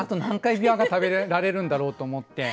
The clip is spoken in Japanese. びわが食べられるんだろうと思って。